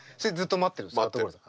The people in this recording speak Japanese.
待ってる。